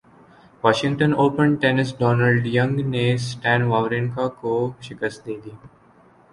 Washington open ٹینسڈونلڈینگ نے Stan Wawrinka کو شکست دیدی